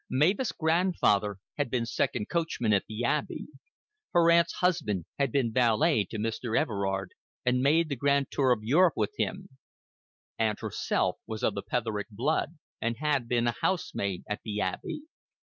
Mavis' grandfather had been second coachman at the Abbey; her aunt's husband had been valet to Mr. Everard and made the grand tour of Europe with him; aunt herself was of the Petherick blood, and had been a housemaid at the Abbey.